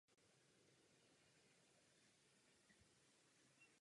Podle svých slov se šachy začal učit v šesti letech z učebnic.